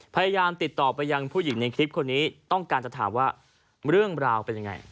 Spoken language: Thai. พยายามติดต่อไปยังผู้หญิงในคลิปคนนี้ต้องการจะถามว่าเรื่องราวเป็นยังไง